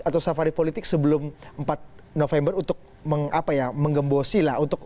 atau safari politik sebelum empat november untuk menggembosi